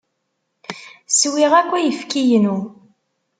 Swiɣ akk ayefki-inu.